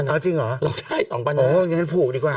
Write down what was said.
โอ้ยอย่างนั้นผูกดีกว่า